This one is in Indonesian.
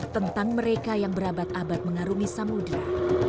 tentang mereka yang berabad abad mengarumi samudera